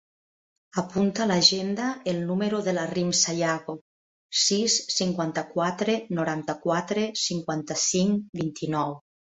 Apunta a l'agenda el número de la Rim Sayago: sis, cinquanta-quatre, noranta-quatre, cinquanta-cinc, vint-i-nou.